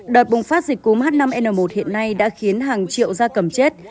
đợt bùng phát dịch cúm h năm n một hiện nay đã khiến hàng triệu da cầm chết